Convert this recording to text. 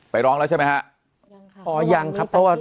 ไปร้องแล้วใช่ไหมฮะอ๋อยังครับต้องว่า